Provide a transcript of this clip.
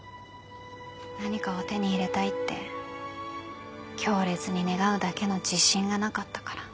何かを手に入れたいって強烈に願うだけの自信がなかったから。